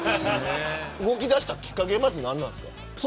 動き出したきっかけは何なんですか。